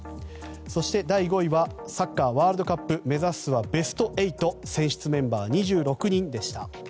そして第５位はサッカーワールドカップ目指すはベスト８選出メンバー２６人でした。